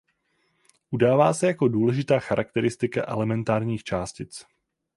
Udává se jako důležitá charakteristika elementárních částic.